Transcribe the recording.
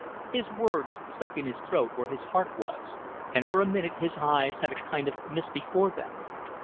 His words stuck in his throat where his heart was, and for a minute his eyes had a kind of mist before them.